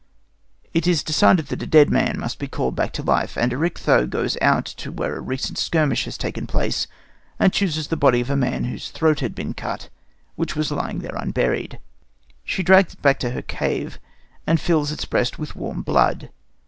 It is decided that a dead man must be called back to life, and Erichtho goes out to where a recent skirmish has taken place, and chooses the body of a man whose throat had been cut, which was lying there unburied. She drags it back to her cave, and fills its breast with warm blood.